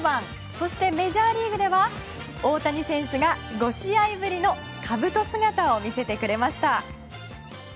そして、メジャーリーグでは大谷選手が５試合ぶりのかぶと姿を見せてくれました。